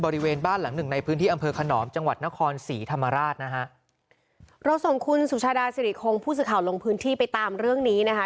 เราส่งคุณสุชาดาสิริคงผู้สื่อข่าวลงพื้นที่ไปตามเรื่องนี้นะฮะ